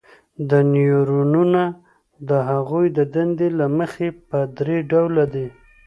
نیورونونه د هغوی د دندې له مخې په درې ډوله دي.